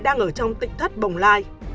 đang ở trong tỉnh thất bồng lai